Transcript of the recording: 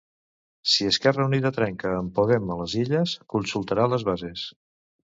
Si Esquerra Unida trenca amb Podem a les Illes, consultarà les bases.